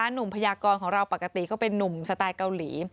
พยากรของเราปกติก็เป็นนุ่มสไตล์เกาหลี